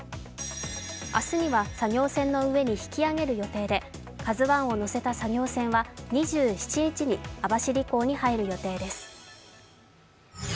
明日には作業船の上に引き揚げる予定で「ＫＡＺＵⅠ」を載せた作業船は２７日に網走港に入る予定です。